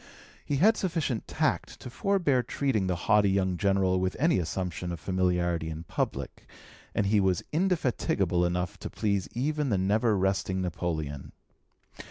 He had sufficient tact to forbear treating the haughty young General with any assumption of familiarity in public, and he was indefatigable enough to please even the never resting Napoleon.